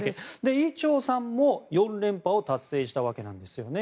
伊調さんも４連覇を達成したわけなんですね。